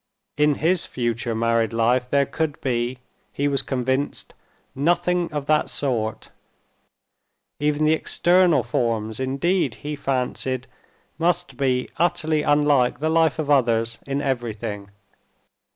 In his future married life there could be, he was convinced, nothing of that sort; even the external forms, indeed, he fancied, must be utterly unlike the life of others in everything.